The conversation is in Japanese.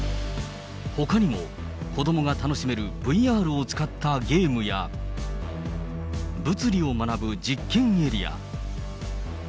ほかにも、子どもが楽しめるＶＲを使ったゲームや、物理を学ぶ実験エリア。